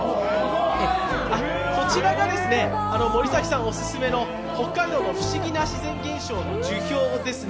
こちらが森崎さんオススメの北海道の不思議な自然現象の樹氷ですね。